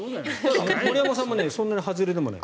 森山さんもそんなにはずれじゃない。